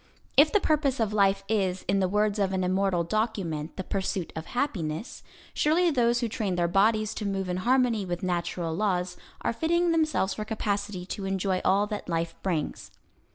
If the purpose of life is, in the words of an immortal document, the pursuit of happiness, surely those who train their bodies to move in harmony with natural laws are fitting themselves for capacity to enjoy all that life brings.